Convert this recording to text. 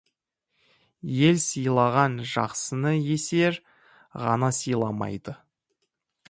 Ел сыйлаған жақсыны есер ғана сыйламайды.